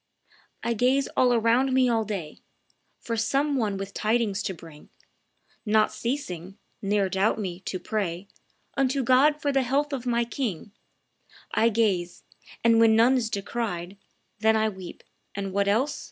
"I gaze all around me all day For some one with tidings to bring, Not ceasing ne'er doubt me to pray Unto God for the health of my king I gaze; and when none is descried, Then I weep; and, what else?